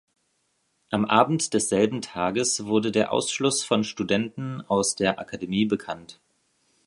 Am Abend desselben Tages wurde der Ausschluss von Studenten aus der Akademie bekannt.